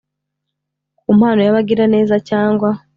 Ku mpano y abagiraneza cyangwa